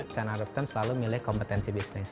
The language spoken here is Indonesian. channel rotten selalu milih kompetensi bisnis